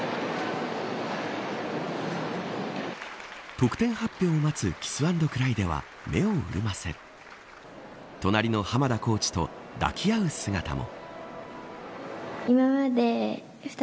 得点発表を待つキス・アンド・クライでは目を潤ませ隣の浜田コーチと抱き合う姿も。